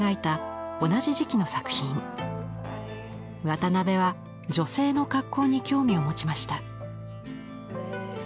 渡辺は女性の格好に興味を持ちました。